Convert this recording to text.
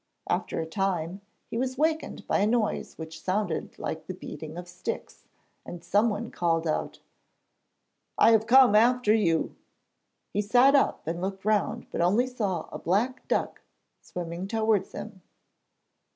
After a time he was wakened by a noise which sounded like the beating of sticks, and someone called out: 'I have come after you.' He sat up and looked round, but only saw a black duck swimming towards him.